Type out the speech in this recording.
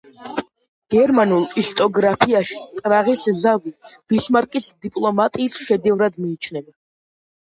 გერმანულ ისტორიოგრაფიაში პრაღის ზავი ბისმარკის დიპლომატიის შედევრად მიიჩნევა.